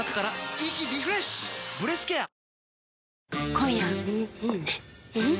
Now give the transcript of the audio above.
今夜はん